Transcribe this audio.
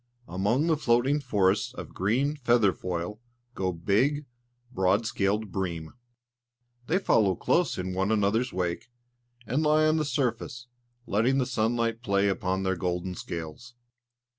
Among the floating forests of green feather foil go big, broad scaled bream. They follow close in one another's wake, and lie on the surface, letting the sunlight play upon their golden scales.